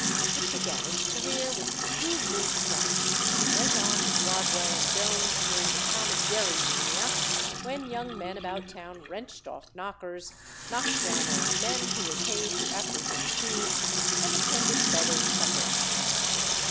It began its career with "True Blue Scott," and went on with Rodwell and Jones during the "Tom and Jerry" mania, when young men about town wrenched off knockers, knocked down old men who were paid to apprehend thieves, and attended beggars' suppers.